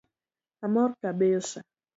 Amor kabisa